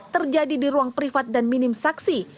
terjadi di ruang privat dan minim saksi